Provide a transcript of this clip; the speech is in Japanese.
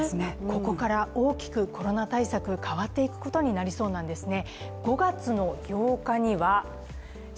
ここから大きくコロナ対策変わっていくことになりそうなんですね。